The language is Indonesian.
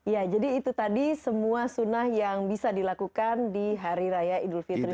ya jadi itu tadi semua sunnah yang bisa dilakukan di hari raya idul fitri